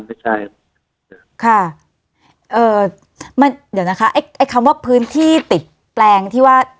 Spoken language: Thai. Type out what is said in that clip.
ไม่ใช่ค่ะเอ่อมันเดี๋ยวนะคะไอ้ไอ้คำว่าพื้นที่ติดแปลงที่ว่า